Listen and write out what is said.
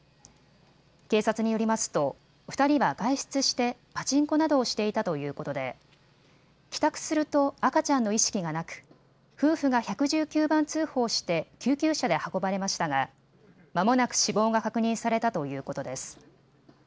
警察によりますと２人は外出してパチンコなどをしていたということで帰宅すると赤ちゃんの意識がなく夫婦が１１９番通報して救急車で運ばれましたがまもなく死亡が確認されたということです。